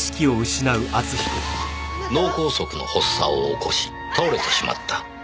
脳梗塞の発作を起こし倒れてしまった。